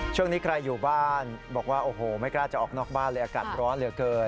ช่วงนี้ใครอยู่บ้านบอกว่าโอ้โหไม่กล้าจะออกนอกบ้านเลยอากาศร้อนเหลือเกิน